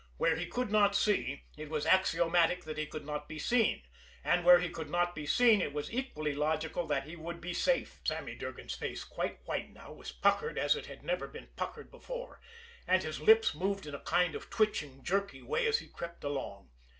Where he could not see, it was axiomatic that he could not be seen; and where he could not be seen, it was equally logical that he would be safe. Sammy Durgan's face, quite white now, was puckered as it had never been puckered before, and his lips moved in a kind of twitching, jerky way as he crept along.